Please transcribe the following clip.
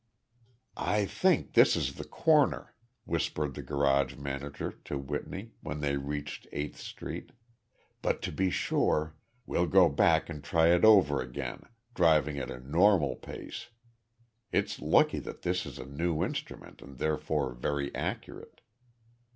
"I think this is the corner," whispered the garage manager to Whitney, when they reached Eighth Street, "but to be sure, we'll go back and try it over again, driving at a normal pace. It's lucky that this is a new instrument and therefore very accurate."